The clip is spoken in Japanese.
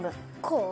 こう？